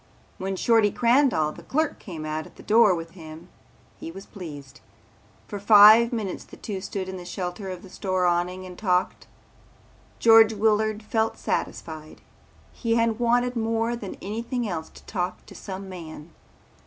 When Shorty Crandall the clerk came out at the door with him he was pleased. For five minutes the two stood in the shelter of the store awning and talked. George Willard felt satisfied. He had wanted more than anything else to talk to some man.